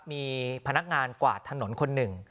มีพนักงานกวาดถนนคนหนึ่ง